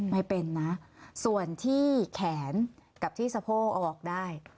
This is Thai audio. ไม่เป็นนะส่วนที่แขนกับที่สะโพกเอาออกได้